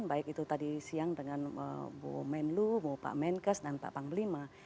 baik itu tadi siang dengan bu menlu bu pak menkes dan pak panglima